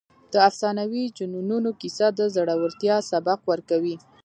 د افسانوي جنونو کیسه د زړورتیا سبق ورکوي.